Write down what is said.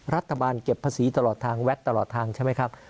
รัฐบาลเก็บภาษีตลอดทางแว็กตลอดทางใช่ไหมครับ